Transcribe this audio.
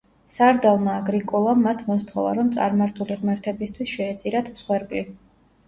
სარდალმა აგრიკოლამ მათ მოსთხოვა, რომ წარმართული ღმერთებისთვის შეეწირათ მსხვერპლი.